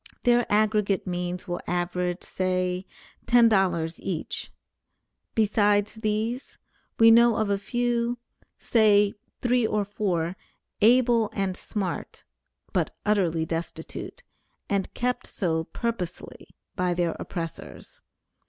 Their aggregate means will average, say, $10 each; besides these, we know of a few, say three or four, able and smart, but utterly destitute, and kept so purposely by their oppressors.